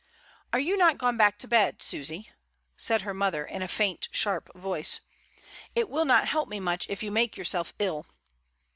"Are you not gone back to bed, Susy?" said her mother in a faint sharp voice. "It will not help me much if you make yourself ill."